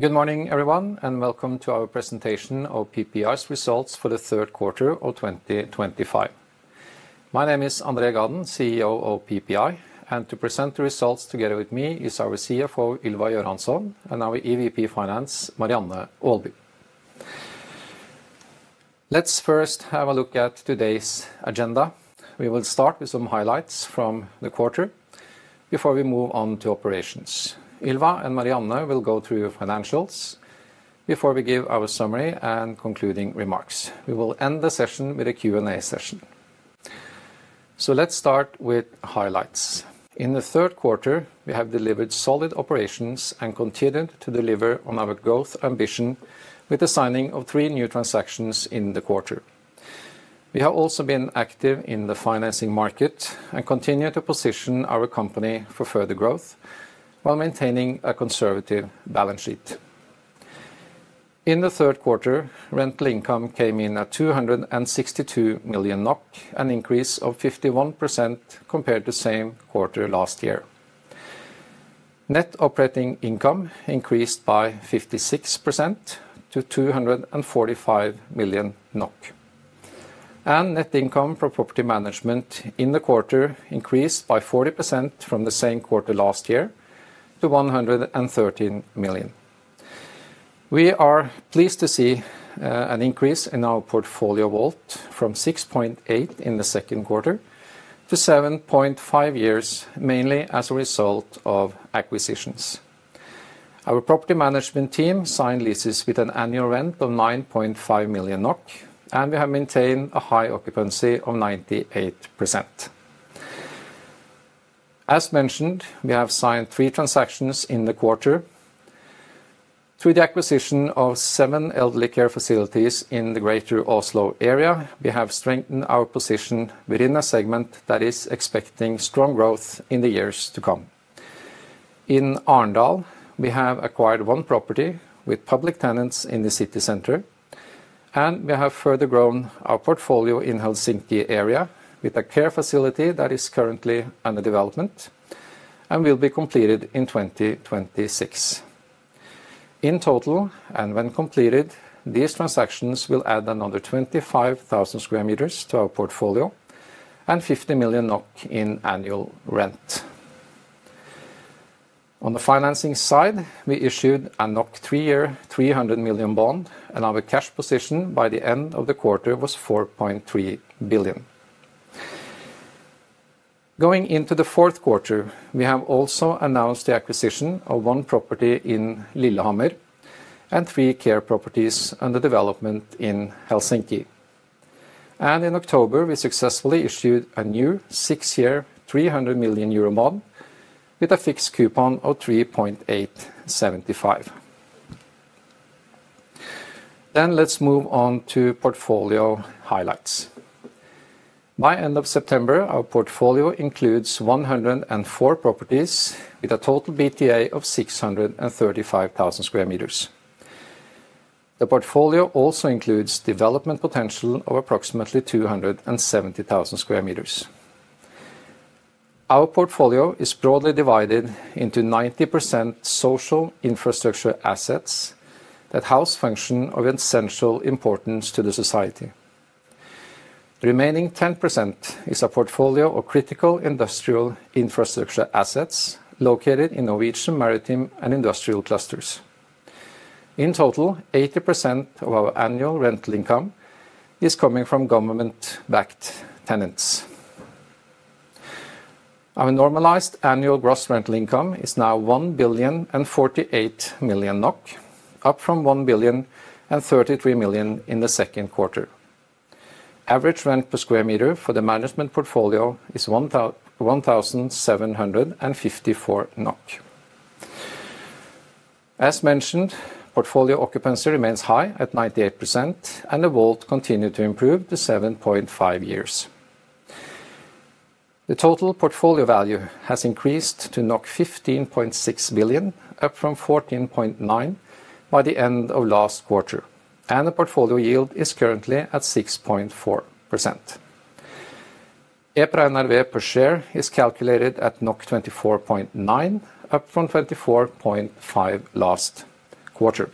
Good morning, everyone, and welcome to our presentation of PPI's results for the third quarter of 2025. My name is André Gaden, CEO of PPI, and to present the results together with me is our CFO, Ylva Göransson, and our EVP Finance, Marianne Aalby. Let's first have a look at today's agenda. We will start with some highlights from the quarter before we move on to operations. Ylva and Marianne will go through financials before we give our summary and concluding remarks. We will end the session with a Q&A session. Let's start with highlights. In the third quarter, we have delivered solid operations and continued to deliver on our growth ambition with the signing of three new transactions in the quarter. We have also been active in the financing market and continue to position our company for further growth while maintaining a conservative balance sheet. In the third quarter, rental income came in at 262 million NOK, an increase of 51% compared to the same quarter last year. Net operating income increased by 56% to 245 million NOK. Net income for property management in the quarter increased by 40% from the same quarter last year to 113 million. We are pleased to see an increase in our portfolio vault from 6.8 in the second quarter to 7.5 years, mainly as a result of acquisitions. Our property management team signed leases with an annual rent of 9.5 million NOK, and we have maintained a high occupancy of 98%. As mentioned, we have signed three transactions in the quarter. Through the acquisition of seven elderly care facilities in the Greater Oslo area, we have strengthened our position within a segment that is expecting strong growth in the years to come. In Arendal, we have acquired one property with public tenants in the city centre, and we have further grown our portfolio in the Helsinki area with a care facility that is currently under development and will be completed in 2026. In total, and when completed, these transactions will add another 25,000 square meters to our portfolio and 50 million NOK in annual rent. On the financing side, we issued a three-year 300 million bond, and our cash position by the end of the quarter was 4.3 billion. Going into the fourth quarter, we have also announced the acquisition of one property in Lillehammer and three care properties under development in Helsinki. In October, we successfully issued a new six-year 300 million euro bond with a fixed coupon of 3.875%. Let's move on to portfolio highlights. By the end of September, our portfolio includes 104 properties with a total BTA of 635,000 square meters. The portfolio also includes development potential of approximately 270,000 square meters. Our portfolio is broadly divided into 90% social infrastructure assets that house functions of essential importance to the society. The remaining 10% is a portfolio of critical industrial infrastructure assets located in Norwegian maritime and industrial clusters. In total, 80% of our annual rental income is coming from government-backed tenants. Our normalized annual gross rental income is now 1.048 billion up from 1.033 billion in the second quarter. Average rent per square meter for the management portfolio is 1,754 NOK. As mentioned, portfolio occupancy remains high at 98%, and the vault continues to improve to 7.5 years. The total portfolio value has increased to 15.6 billion, up from 14.9 billion by the end of last quarter, and the portfolio yield is currently at 6.4%. EPRA LTV per share is calculated at 24.9, up from 24.5 last quarter.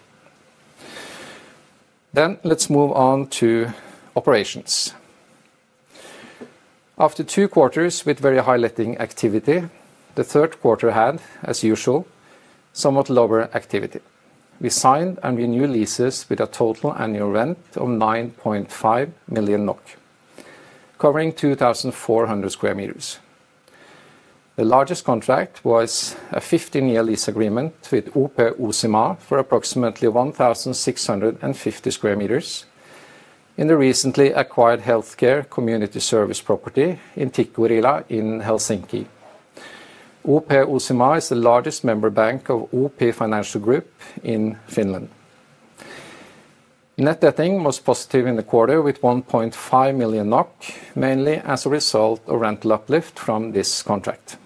Let's move on to operations. After two quarters with very high letting activity, the third quarter had, as usual, somewhat lower activity. We signed and renewed leases with a total annual rent of 9.5 million NOK, covering 2,400 square meters. The largest contract was a 15-year lease agreement with OP Uusimaa for approximately 1,650 square meters in the recently acquired healthcare community service property in Tikkurila in Helsinki. OP Uusimaa is the largest member bank of OP Financial Group in Finland. Net debting was positive in the quarter with 1.5 million NOK, mainly as a result of rental uplift from this contract.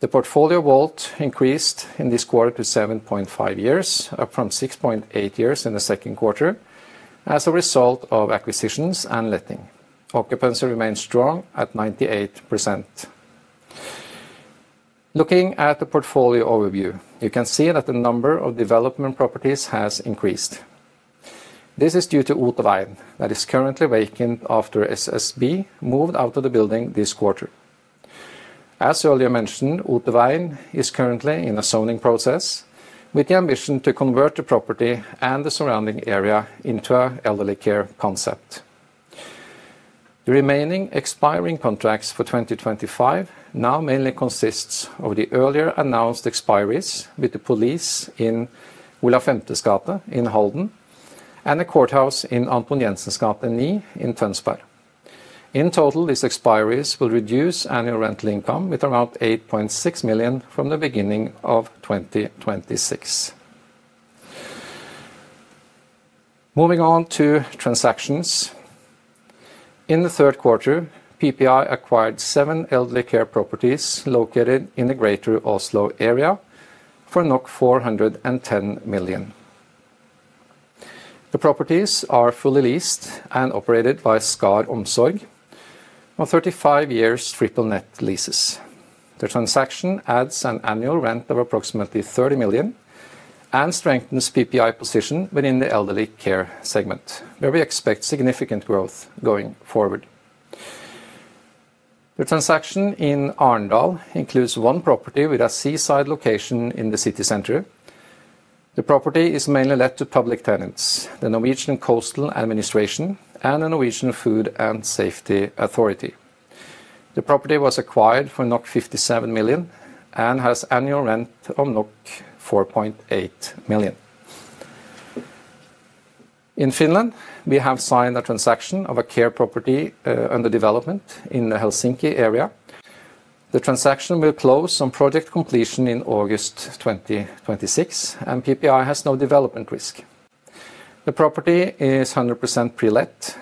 The portfolio vault increased in this quarter to 7.5 years, up from 6.8 years in the second quarter as a result of acquisitions and letting. Occupancy remains strong at 98%. Looking at the portfolio overview, you can see that the number of development properties has increased. This is due to Otavain that is currently vacant after SSB moved out of the building this quarter. As earlier mentioned, Otavain is currently in a zoning process with the ambition to convert the property and the surrounding area into an elderly care concept. The remaining expiring contracts for 2025 now mainly consist of the earlier announced expiries with the police in Ola Femtesgate in Halden and a courthouse in Anton Jensensgate 9 in Tønsberg. In total, these expiries will reduce annual rental income by around 8.6 million from the beginning of 2026. Moving on to transactions. In the third quarter, PPI acquired seven elderly care properties located in the Greater Oslo area for 410 million. The properties are fully leased and operated by Skaar Omsorg, with 35-year triple net leases. The transaction adds an annual rent of approximately 30 million and strengthens PPI's position within the elderly care segment, where we expect significant growth going forward. The transaction in Arendal includes one property with a seaside location in the city centre. The property is mainly let to public tenants, the Norwegian Coastal Administration, and the Norwegian Food and Safety Authority. The property was acquired for 57 million and has an annual rent of 4.8 million. In Finland, we have signed a transaction of a care property under development in the Helsinki area. The transaction will close on project completion in and PPI has no development risk. The property is 100% pre-let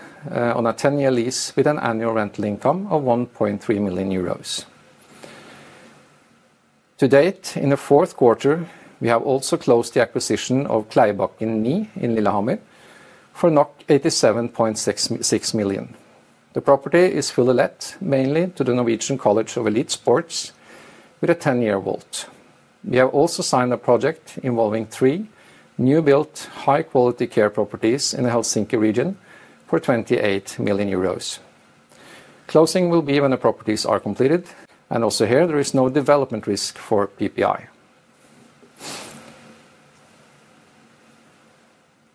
on a 10-year lease with an annual rental income of 1.3 million euros. To date, in the fourth quarter, we have also closed the acquisition of Kleivbakken 9 in Lillehammer for 87.66 million. The property is fully let mainly to the Norwegian College of Elite Sports with a 10-year vault. We have also signed a project involving three new-built high-quality care properties in the Helsinki region for 28 million euros. Closing will be when the properties are completed, and also here there is no for PPI.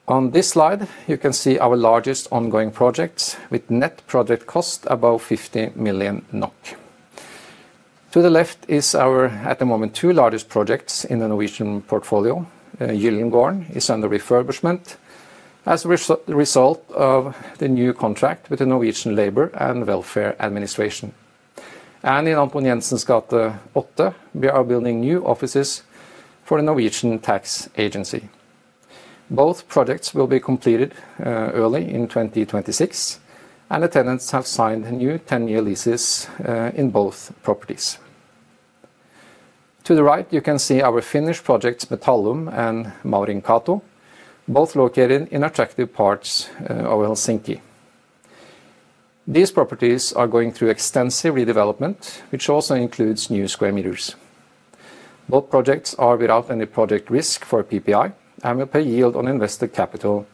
on this slide, you can see our largest ongoing projects with net project cost above 50 million NOK. To the left are our, at the moment, two largest projects in the Norwegian portfolio. Gyldengården is under refurbishment as a result of the new contract with the Norwegian Labour and Welfare Administration. In Anton Jensensgate 8, we are building new offices for the Norwegian Tax Agency. Both projects will be completed early in 2026, and the tenants have signed new 10-year leases in both properties. To the right, you can see our Finnish projects, Metallum and Maurinkatu, both located in attractive parts of Helsinki. These properties are going through extensive redevelopment, which also includes new square meters. Both projects are without any for PPI and will pay yield on invested capital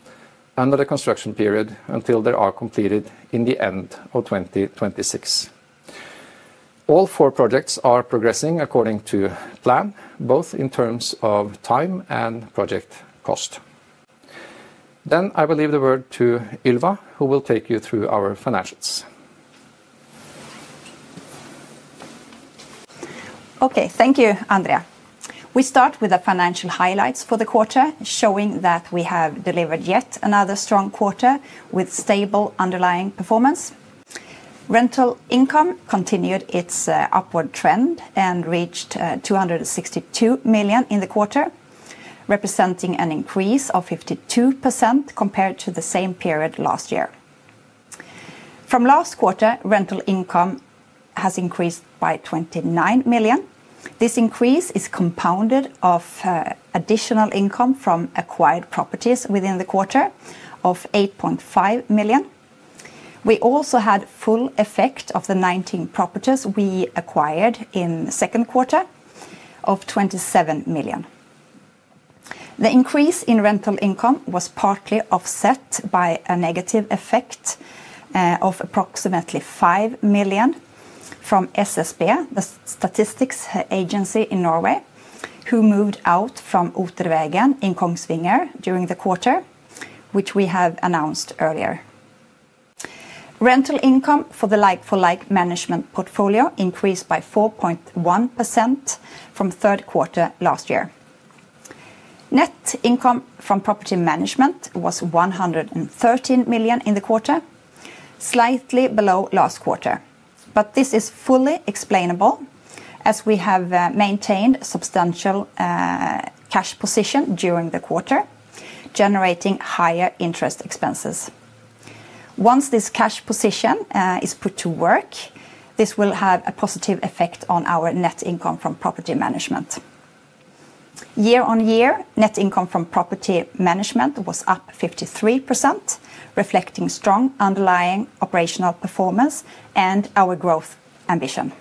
under the construction period until they are completed at the end of 2026. All four projects are progressing according to plan, both in terms of time and project cost. I will leave the word to Ylva, who will take you through our financials. Okay, thank you, André. We start with the financial highlights for the quarter, showing that we have delivered yet another strong quarter with stable underlying performance. Rental income continued its upward trend and reached 262 million in the quarter, representing an increase of 52% compared to the same period last year. From last quarter, rental income has increased by 29 million. This increase is compounded with additional income from acquired properties within the quarter of 8.5 million. We also had full effect of the 19 properties we acquired in the second quarter of 27 million. The increase in rental income was partly offset by a negative effect of approximately 5 million from SSB, the statistics agency in Norway, who moved out from Otavain in Kongsvinger during the quarter, which we have announced earlier. Rental income for the like-for-like management portfolio increased by 4.1% from the third quarter last year. Net income from property management was 113 million in the quarter, slightly below last quarter, but this is fully explainable as we have maintained a substantial cash position during the quarter, generating higher interest expenses. Once this cash position is put to work, this will have a positive effect on our net income from property management. Year on year, net income from property management was up 53%, reflecting strong underlying operational performance and our growth ambition.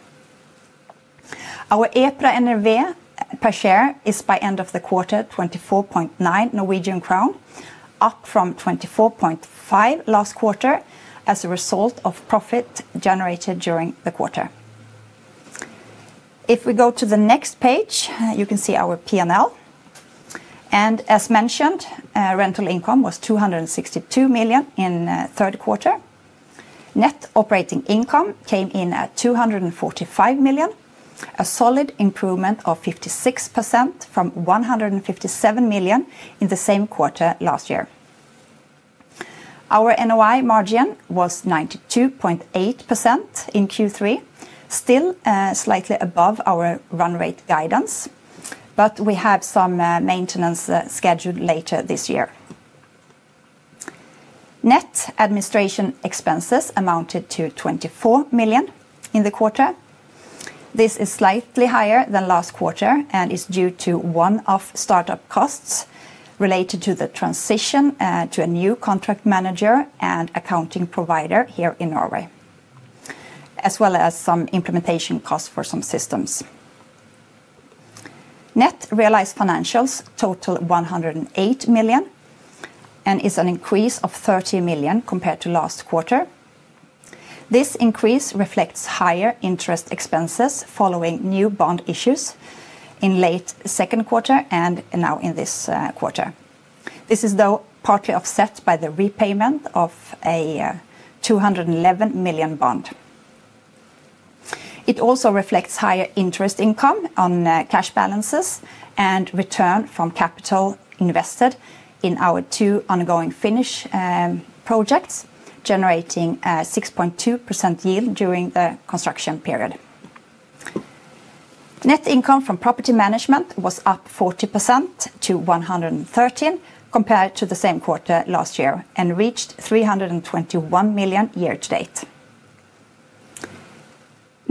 Our EPRA LTV per share is by the end of the quarter 24.9 Norwegian crown, up from 24.5 last quarter as a result of profit generated during the quarter. If we go to the next page, you can see our P&L. As mentioned, rental income was 262 million in the third quarter. Net operating income came in at 245 million, a solid improvement of 56% from 157 million in the same quarter last year. Our NOI margin was 92.8% in Q3, still slightly above our run rate guidance, but we have some maintenance scheduled later this year. Net administration expenses amounted to 24 million in the quarter. This is slightly higher than last quarter and is due to one-off startup costs related to the transition to a new contract manager and accounting provider here in Norway, as well as some implementation costs for some systems. Net realized financials totaled 108 million and is an increase of 30 million compared to last quarter. This increase reflects higher interest expenses following new bond issues in late second quarter and now in this quarter. This is though partly offset by the repayment of a 211 million bond. It also reflects higher interest income on cash balances and return from capital invested in our two ongoing Finnish projects, generating a 6.2% yield during the construction period. Net income from property management was up 40% to 113 million compared to the same quarter last year and reached 321 million year to date.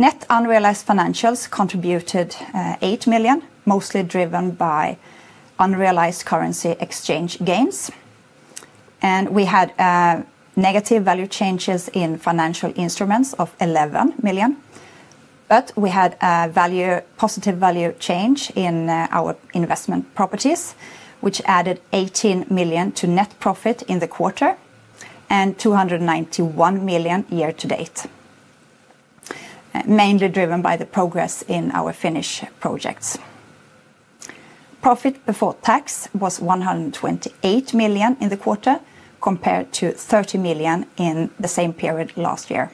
Net unrealized financials contributed 8 million, mostly driven by unrealized currency exchange gains. We had negative value changes in financial instruments of 11 million, but we had a positive value change in our investment properties, which added 18 million to net profit in the quarter and 291 million year to date, mainly driven by the progress in our Finnish projects. Profit before tax was 128 million in the quarter compared to 30 million in the same period last year.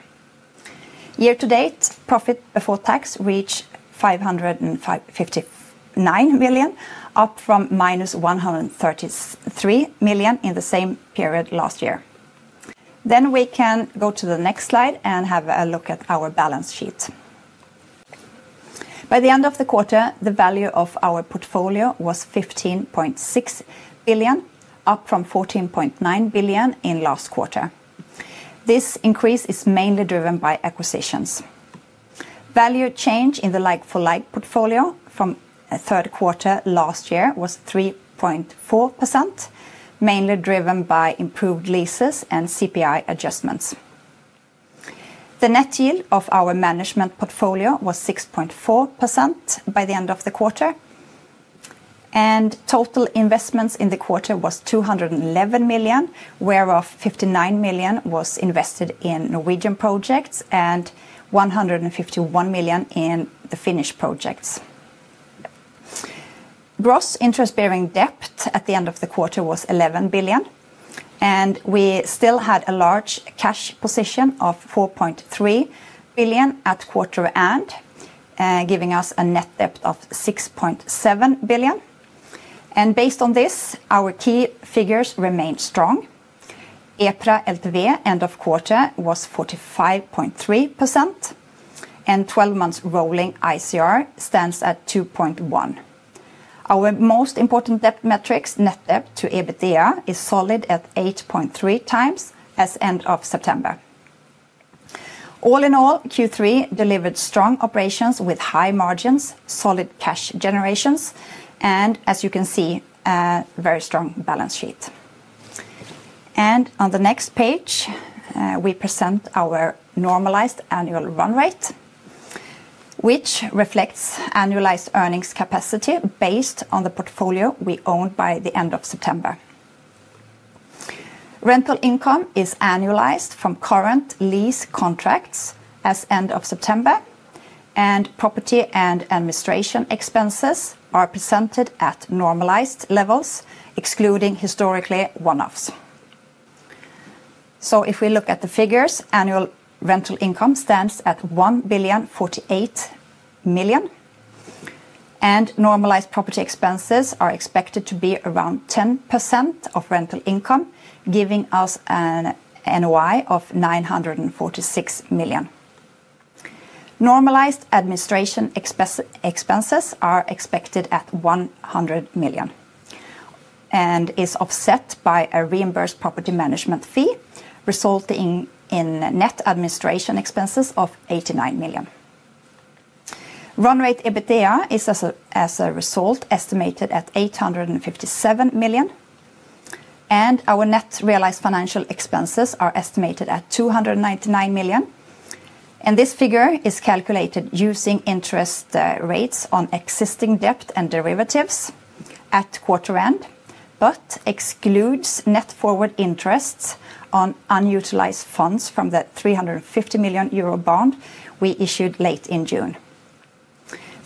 Year to date, profit before tax reached 559 million, up from -133 million in the same period last year. We can go to the next slide and have a look at our balance sheet. By the end of the quarter, the value of our portfolio was 15.6 billion, up from 14.9 billion in last quarter. This increase is mainly driven by acquisitions. Value change in the like-for-like portfolio from the third quarter last year was 3.4%, mainly driven by improved leases and CPI adjustments. The net yield of our management portfolio was 6.4% by the end of the quarter, and total investments in the quarter were 211 million, whereof 59 million was invested in Norwegian projects and 151 million in the Finnish projects. Gross interest-bearing debt at the end of the quarter was 11 billion, and we still had a large cash position of 4.3 billion at quarter end, giving us a net debt of 6.7 billion. Based on this, our key figures remain strong. EPRA LTV end of quarter was 45.3%, and 12 months rolling ICR stands at 2.1. Our most important debt metrics, net debt to EBITDA, is solid at 8.3x as end of September. All in all, Q3 delivered strong operations with high margins, solid cash generations, and as you can see, a very strong balance sheet. On the next page, we present our normalized annual run rate, which reflects annualized earnings capacity based on the portfolio we owned by the end of September. Rental income is annualized from current lease contracts as end of September, and property and administration expenses are presented at normalized levels, excluding historically one-offs. If we look at the figures, annualized rental income stands at 1.48 billion, and normalized property expenses are expected to be around 10% of rental income, giving us a NOI of 946 million. Normalized administration expenses are expected at 100 million and are offset by a reimbursed property management fee, resulting in net administration expenses of 89 million. Run rate EBITDA is, as a result, estimated at 857 million, and our net realized financial expenses are estimated at 299 million. This figure is calculated using interest rates on existing debt and derivatives at quarter end, but excludes net forward interests on unutilized funds from the 300 million euro bond we issued late in June.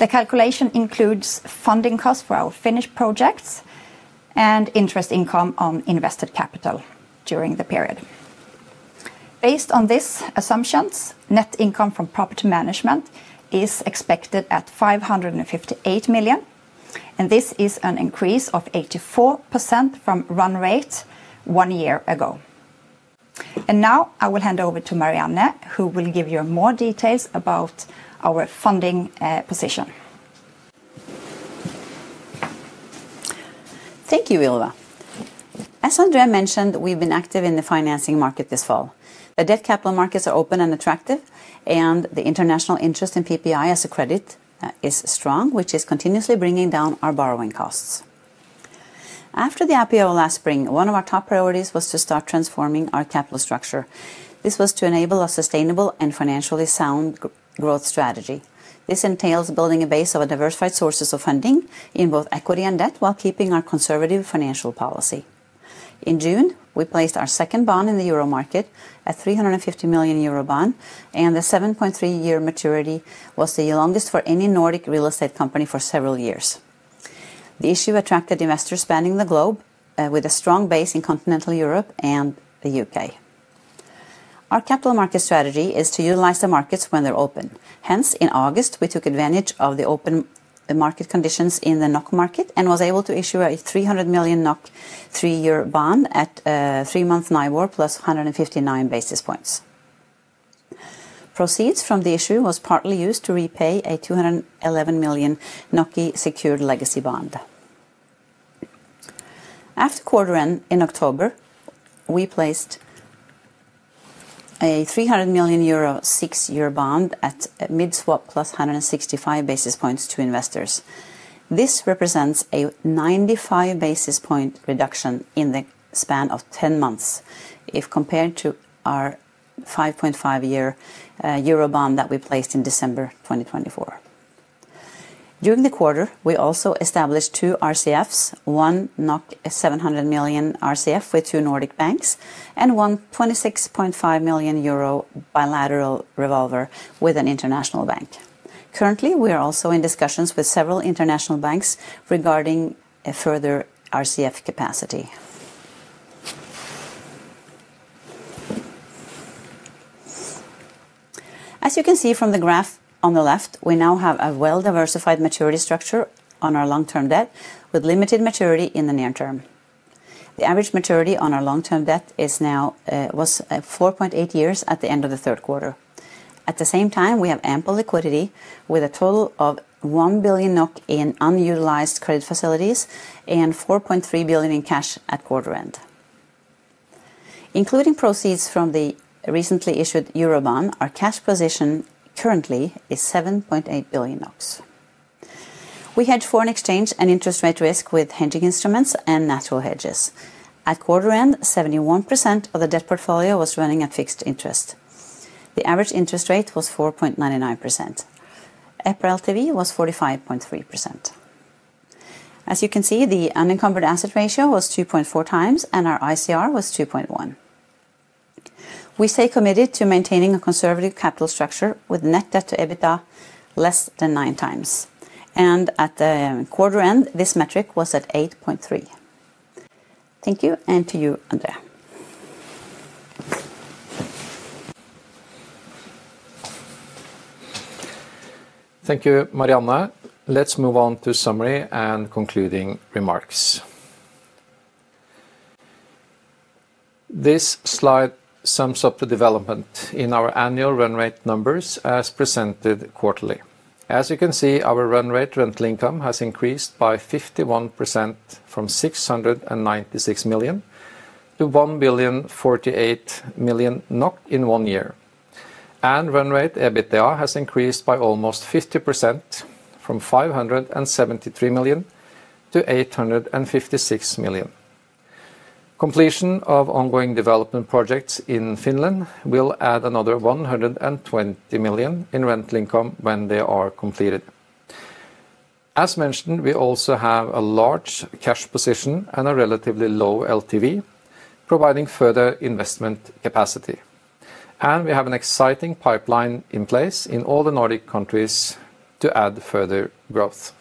The calculation includes funding costs for our Finnish projects and interest income on invested capital during the period. Based on these assumptions, net income from property management is expected at 558 million, which is an increase of 84% from run rate one year ago. I will now hand over to Marianne, who will give you more details about our funding position. Thank you, Ylva. As André mentioned, we've been active in the financing market this fall. The debt capital markets are open and attractive, and the international interest in PPI as a credit is strong, which is continuously bringing down our borrowing costs. After the IPO last spring, one of our top priorities was to start transforming our capital structure. This was to enable a sustainable and financially sound growth strategy. This entails building a base of diversified sources of funding in both equity and debt while kdeping our conservative financial policy. In June, we placed our second bond in the euro market, a 350 million euro bond, and the 7.3-year maturity was the longest for any Nordic real estate company for several years. The issue attracted investors spanning the globe with a strong base in continental Europe and the U.K. Our capital market strategy is to utilize the markets when they're open. Hence, in August, we took advantage of the open market conditions in the NOK market and were able to issue a 300 million NOK three-year bond at three months Nibor +159 basis points. Proceeds from the issue were partly used to repay a 211 million secured legacy bond. After quarter end in October, we placed a 300 million euro six-year bond at mid-swap plus 165 basis points to investors. This represents a 95 basis point reduction in the span of 10 months if compared to Euro Bond that we placed in December 2024. During the quarter, we also established two RCFs, one 700 million RCF with two Nordic banks and one 26.5 million euro bilateral revolver with an international bank. Currently, we are also in discussions with several international banks regarding a further RCF capacity. As you can see from the graph on the left, we now have a well-diversified maturity structure on our long-term debt with limited maturity in the near term. The average maturity on our long-term debt was 4.8 years at the end of the third quarter. At the same time, we have ample liquidity with a total of 1 billion NOK in unutilized credit facilities and 4.3 billion in cash at quarter end. Including proceeds from the Euro Bond, our cash position currently is 7.8 billion NOK. We hedge foreign exchange and interest rate risk with hedging instruments and natural hedges. At quarter end, 71% of the debt portfolio was running at fixed interest. The average interest rate was 4.99%. EPRA LTV was 45.3%. As you can see, the unencumbered asset ratio was 2.4x and our ICR was 2.1x. We stay committed to maintaining a conservative capital structure with net debt to EBITDA less than 9x. At the quarter end, this metric was at 8.3x. Thank you and to you, André. Thank you, Marianne. Let's move on to summary and concluding remarks. This slide sums up the development in our annualized rental income run rate numbers as presented quarterly. As you can see, our run rate rental income has increased by 51% from 696 million to 1.048 billion in one year. Run rate EBITDA has increased by almost 50% from 573 million to 856 million. Completion of ongoing development projects in Finland will add another 120 million in rental income when they are completed. As mentioned, we also have a large cash position and a relatively low LTV, providing further investment capacity. We have an exciting pipeline in place in all the Nordic countries to add further growth.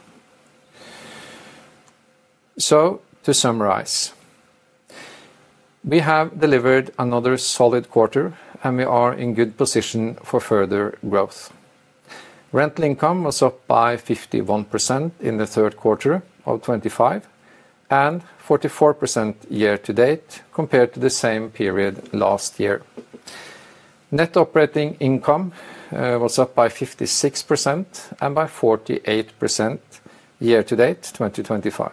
To summarize, we have delivered another solid quarter and we are in a good position for further growth. Rental income was up by 51% in the third quarter of 2025 and 44% year to date compared to the same period last year. Net operating income was up by 56% and by 48% year to date 2025.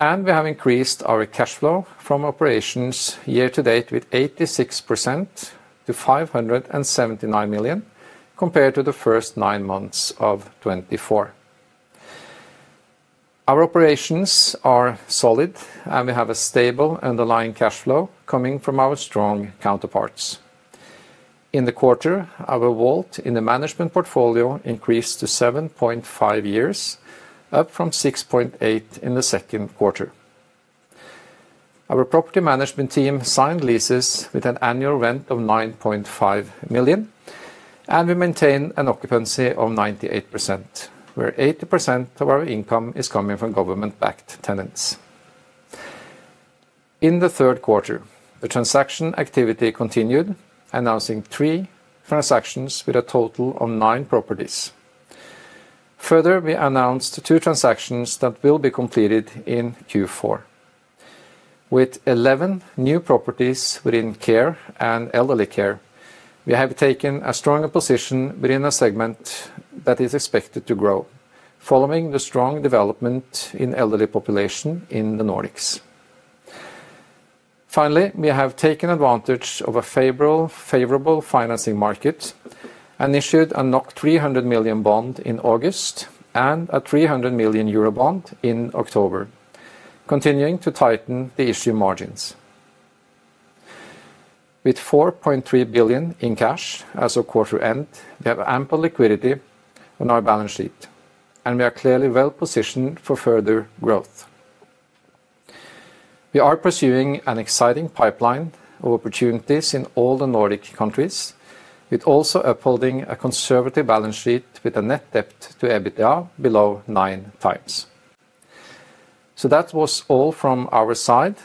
We have increased our cash flow from operations year to date by 86% to 579 million compared to the first nine months of 2024. Our operations are solid and we have a stable underlying cash flow coming from our strong counterparts. In the quarter, our vault in the management portfolio increased to 7.5 years, up from 6.8 in the second quarter. Our property management team signed leases with an annual rent of 9.5 million and we maintain an occupancy rate of 98%, where 80% of our income is coming from government-backed tenants. In the third quarter, the transaction activity continued, announcing three transactions with a total of nine properties. We announced two transactions that will be completed in Q4. With 11 new properties within care and elderly care, we have taken a stronger position within a segment that is expected to grow, following the strong development in the elderly population in the Nordics. Finally, we have taken advantage of a favorable financing market and issued a 300 million bond in August and a 300 million euro bond in October, continuing to tighten the issue margins. With 4.3 billion in cash as of quarter end, we have ample liquidity on our balance sheet and we are clearly well positioned for further growth. We are pursuing an exciting pipeline of opportunities in all the Nordic countries, while also upholding a conservative balance sheet with a net debt to EBITDA below 9x. That was all from our side,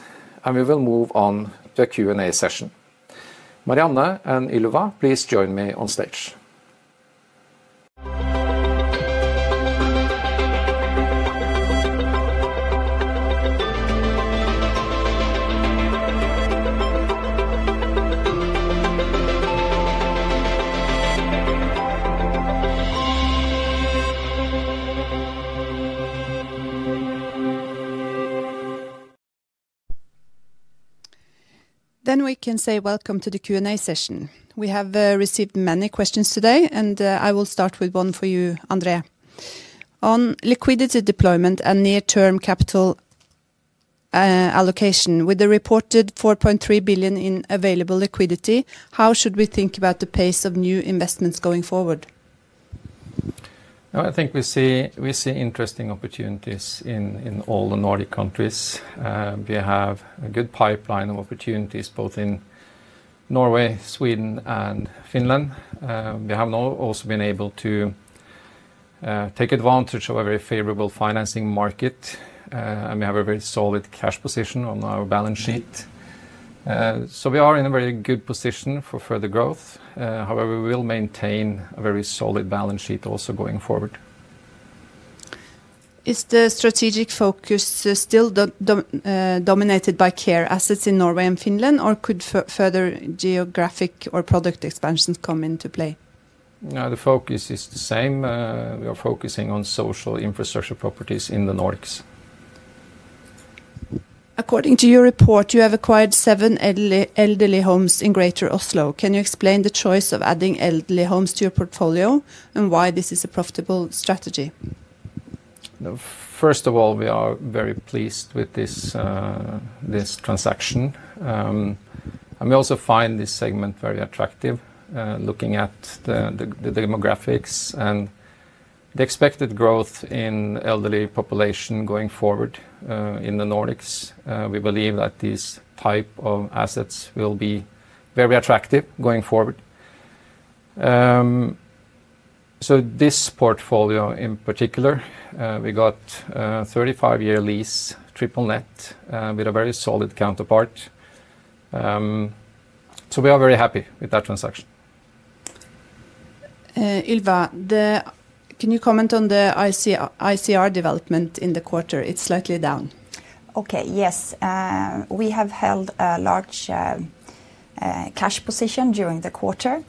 and we will move on to a Q&A session. Marianne and Ylva, please join me on stage. We can say welcome to the Q&A session. We have received many questions today, and I will start with one for you, André. On liquidity deployment and near-term capital allocation, with the reported 4.3 billion in available liquidity, how should we think about the pace of new investments going forward? I think we see interesting opportunities in all the Nordic countries. We have a good pipeline of opportunities both in Norway, Sweden, and Finland. We have also been able to take advantage of a very favorable financing market, and we have a very solid cash position on our balance sheet. We are in a very good position for further growth. However, we will maintain a very solid balance sheet also going forward. Is the strategic focus still dominated by care assets in Norway and Finland, or could further geographic or product expansions come into play? The focus is the same. We are focusing on social infrastructure properties in the Nordics. According to your report, you have acquired seven elderly homes in Greater Oslo. Can you explain the choice of adding elderly homes to your portfolio and why this is a profitable strategy? First of all, we are very pleased with this transaction. We also find this segment very attractive, looking at the demographics and the expected growth in the elderly population going forward in the Nordics. We believe that this type of assets will be very attractive going forward. This portfolio in particular, we got a 35-year lease triple net with a very solid counterpart. We are very happy with that transaction. Ylva, can you comment on the ICR development in the quarter? It's slightly down. Okay, yes. We have held a large cash position during the quarter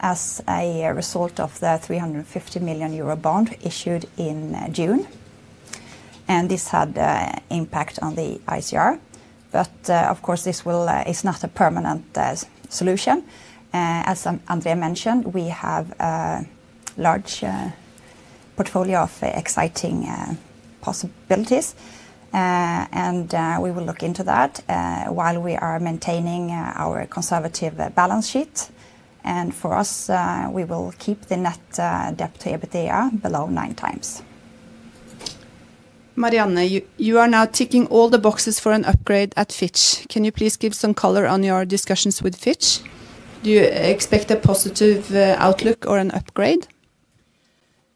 as a result of the 350 million Euro Bond issued in June. This had an impact on the ICR. Of course, this is not a permanent solution. As André mentioned, we have a large portfolio of exciting possibilities, and we will look into that while we are maintaining our conservative balance sheet. For us, we will keep the net debt to EBITDA below 9x. Marianne, you are now ticking all the boxes for an upgrade at Fitch. Can you please give some color on your discussions with Fitch? Do you expect a positive outlook or an upgrade?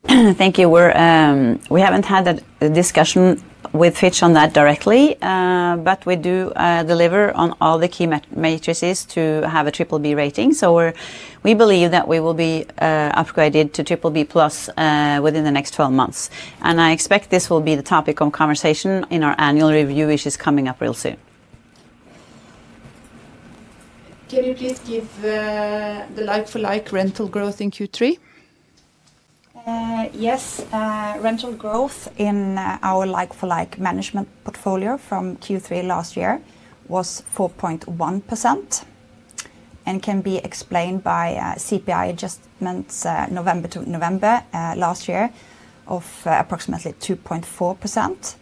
Thank you. We haven't had a discussion with Fitch on that directly, but we do deliver on all the key metrics to have a triple B rating. We believe that we will be upgraded to triple B + within the next 12 months. I expect this will be the topic of conversation in our annual review, which is coming up real soon. Can you please give the like-for-like rental growth in Q3? Yes, rental growth in our like-for-like management portfolio from Q3 last year was 4.1% and can be explained by CPI adjustments November to November last year of approximately 2.4%.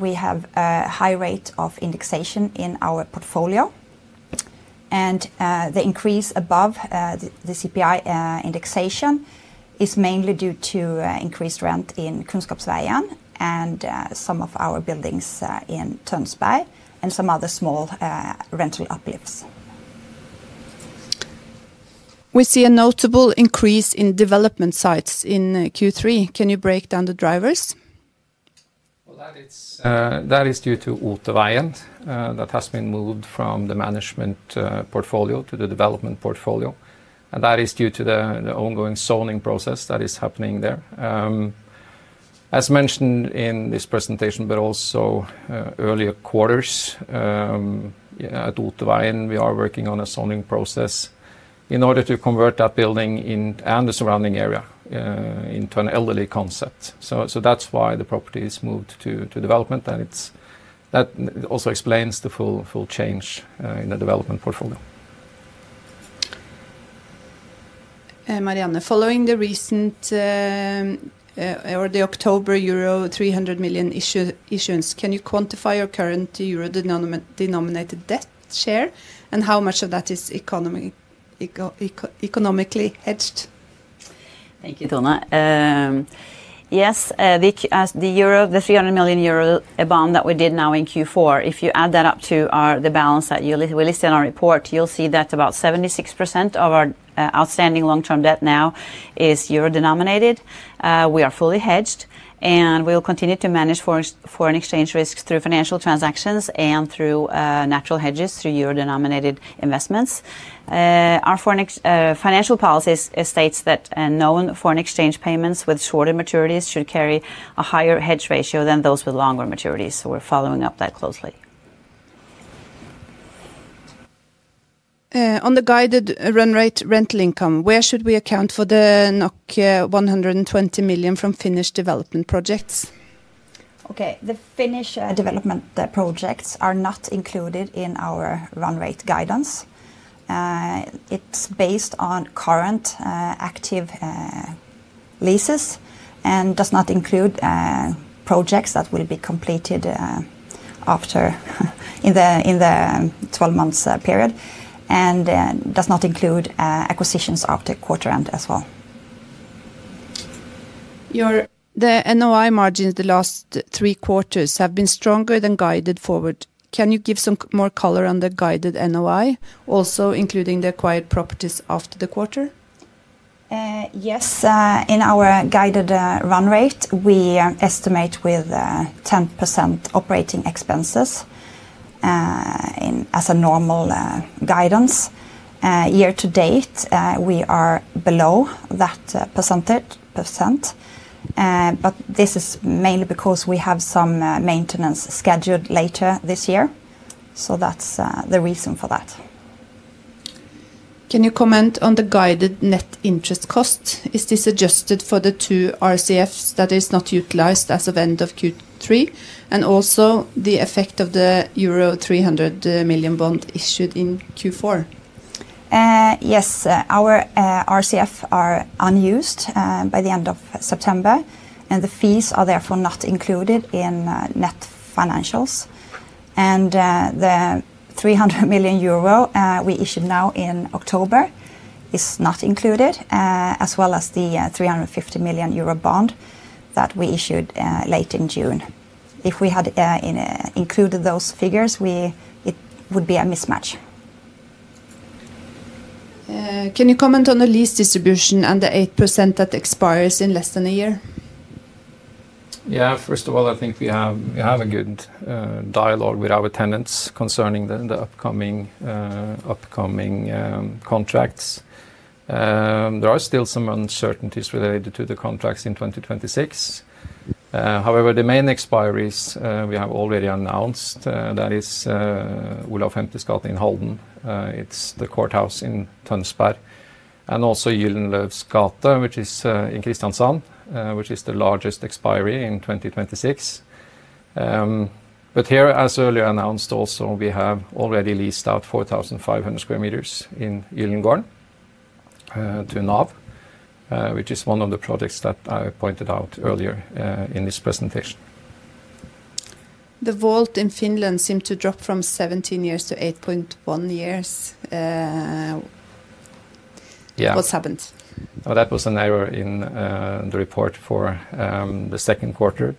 We have a high rate of indexation in our portfolio. The increase above the CPI indexation is mainly due to increased rent in Kunnskapsveien and some of our buildings in Tønsberg and some other small rental uplifts. We see a notable increase in development sites in Q3. Can you break down the drivers? That is due to Otavain that has been moved from the management portfolio to the development portfolio. That is due to the ongoing zoning process that is happening there. As mentioned in this presentation, but also earlier quarters, at Otavain we are working on a zoning process in order to convert that building and the surrounding area into an elderly concept. That's why the property is moved to development. That also explains the full change in the development portfolio. Marianne, following the recent or the October euro 300 million issuance, can you quantify your current euro denominated debt share and how much of that is economically hedged? Thank you, Tone. Yes, the 300 million euro bond that we did now in Q4, if you add that up to the balance that we listed in our report, you'll see that about 76% of our outstanding long-term debt now is euro denominated. We are fully hedged, and we'll continue to manage foreign exchange risks through financial transactions and through natural hedges through euro denominated investments. Our financial policy states that known foreign exchange payments with shorter maturities should carry a higher hedge ratio than those with longer maturities. We're following up that closely. On the guided run rate rental income, where should we account for the 120 million from Finnish development projects? Okay, the Finnish development projects are not included in our run rate guidance. It's based on current active leases and does not include projects that will be completed in the 12 months period and does not include acquisitions after quarter end as well. Ylva, the NOI margins the last three quarters have been stronger than guided forward. Can you give some more color on the guided NOI, also including the acquired properties after the quarter? Yes, in our guided run rate, we estimate with 10% operating expenses as a normal guidance. Year to date, we are below that percentage, but this is mainly because we have some maintenance scheduled later this year. That's the reason for that. Can you comment on the guided net interest cost? Is this adjusted for the two RCFs that are not utilized as of end of Q3 and also the effect of the euro 300 million bond issued in Q4? Yes, our RCFs are unused by the end of September, and the fees are therefore not included in net financials. The 300 million euro bond we issued now in October is not included, as well as the 350 million euro bond that we issued late in June. If we had included those figures, it would be a mismatch. Can you comment on the lease distribution and the 8% that expires in less than a year? Yeah, first of all, I think we have a good dialogue with our tenants concerning the upcoming contracts. There are still some uncertainties related to the contracts in 2026. However, the main expiries we have already announced, that is Ola Femtesgate in Halden, it's the courthouse in Tønsberg, and also Gyldenløves gate, which is in Kristiansand, which is the largest expiry in 2026. As earlier announced, we have already leased out 4,500 square meters in Gyldengården to NAV, which is one of the projects that I pointed out earlier in this presentation. The vault in Finland seemed to drop from 17 years to 8.1 years. What's happened? That was an error in the report for the second quarter.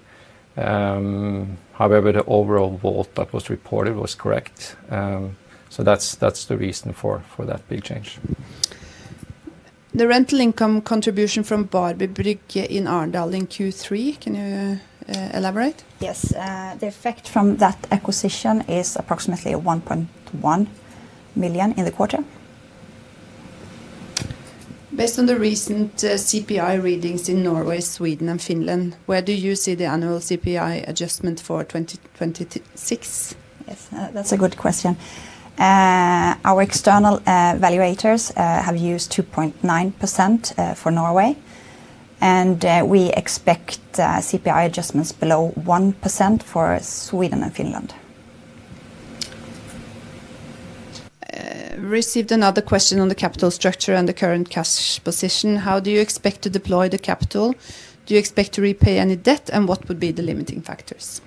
However, the overall vault that was reported was correct. That's the reason for that big change. The rental income contribution from Barbu Brygge in Arendal in Q3, can you elaborate? Yes, the effect from that acquisition is approximately 1.1 million in the quarter. Based on the recent CPI readings in Norway, Sweden, and Finland, where do you see the annual CPI adjustment for 2026? Yes, that's a good question. Our external valuators have used 2.9% for Norway, and we expect CPI adjustments below 1% for Sweden and Finland. Received another question on the capital structure and the current cash position. How do you expect to deploy the capital? Do you expect to repay any debt, and what would be the limiting factors?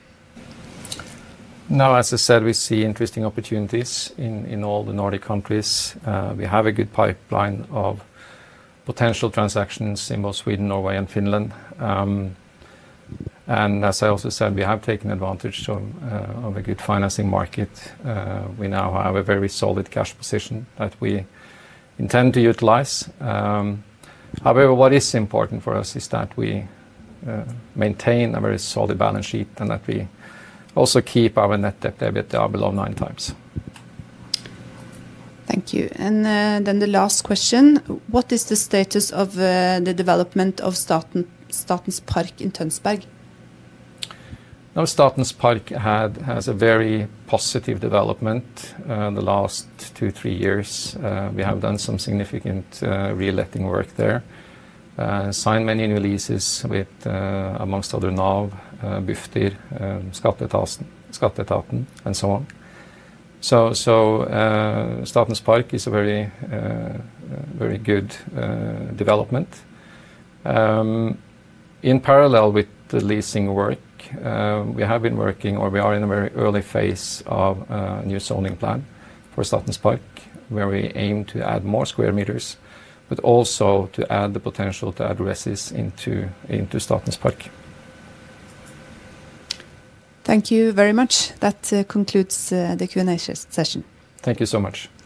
Now, as I said, we see interesting opportunities in all the Nordic countries. We have a good pipeline of potential transactions in both Sweden, Norway, and Finland. As I also said, we have taken advantage of a good financing market. We now have a very solid cash position that we intend to utilize. However, what is important for us is that we maintain a very solid balance sheet and that we also keep our net debt to EBITDA below 9x. Thank you. The last question, what is the status of the development of Statens Park in Tønsberg? Statens Park has a very positive development the last two or three years. We have done some significant re-letting work there, signed many new leases with, amongst others, NAV, Bufdir, Skatteetaten, and so on. Statens Park is a very good development. In parallel with the leasing work, we have been working, or we are in a very early phase of a new zoning plan for Statens Park, where we aim to add more square meters, but also to add the potential to add rescue into Statens Park. Thank you very much. That concludes the Q&A session. Thank you so much.